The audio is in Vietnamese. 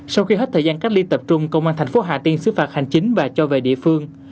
sau khi hết thời gian cách ly tập trung công an thành phố hà tiên xứ phạt hành chính và cho về địa phương